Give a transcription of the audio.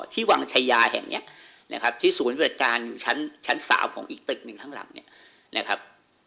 ที่วังชายาแห่งนี้นะครับที่ศูนย์บริการอยู่ชั้น๓ของอีกตึกหนึ่งข้างหลังเนี่ยนะครับ